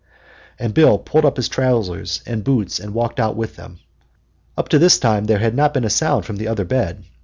And Bill pulled on his trousers and boots and walked out with them. Up to this time there had not been a sound from the other bed.